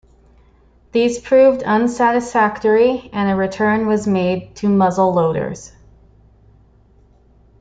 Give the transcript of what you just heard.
These proved unsatisfactory and a return was made to muzzle loaders.